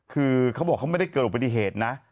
คือเขาบอกมันไม่ได้เกิดอุปดิเผชิญนะ